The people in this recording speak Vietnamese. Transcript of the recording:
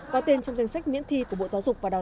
có tên trong danh sách miễn thi của bộ giáo dục và đào tạo